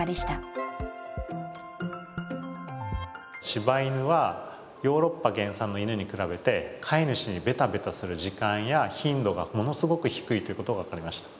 柴犬はヨーロッパ原産の犬に比べて飼い主にベタベタする時間や頻度がものすごく低いということが分かりました。